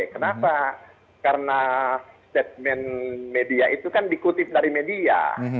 kenapa karena statement media itu kan dikutip dari media